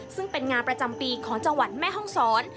ซึ่งเป็นงานประจำปีของจังหวัดแม่ห้องศร